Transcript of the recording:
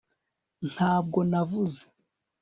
ntabwo navuze